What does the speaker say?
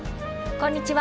こんにちは。